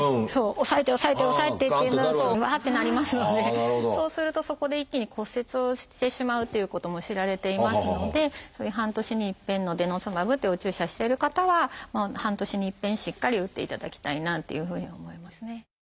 抑えて抑えて抑えてっていうのがうわってなりますのでそうするとそこで一気に骨折をしてしまうということも知られていますのでそういう半年に一遍のデノスマブというお注射してる方は半年に一遍しっかり打っていただきたいなというふうに思いますね。